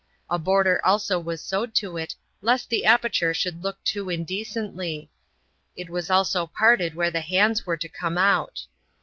A border also was sewed to it, lest the aperture should look too indecently: it was also parted where the hands were to come out.